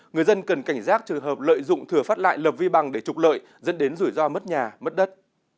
người dân cần cảnh giác trường hợp lợi dụng thừa phát lại lập vi bằng để trục lợi dẫn đến rủi ro mất nhà mất đất